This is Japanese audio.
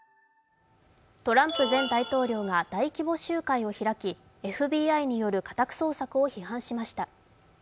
トランプ前大統領が大規模集会を開きＦＢＩによる家宅捜索を批判しました